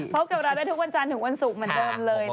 พบกับเราได้ทุกวันจันทร์ถึงวันศุกร์เหมือนเดิมเลยนะคะ